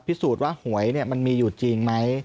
พิสูจน์ว่าหวยมันมีอยู่จริงไหม